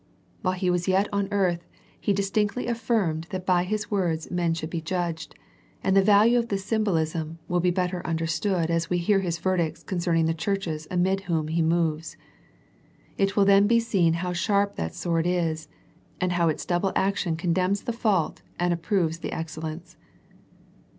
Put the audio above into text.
While He was yet on earth, He distinctly affirmed that by His words men should be judged, and the value of this symbolism will be better understood as we hear His verdicts concerning the churches amid whom He rrioves. It will then be seen how sharp that sword is, and how its double action condemns the fault and approves the excel lence.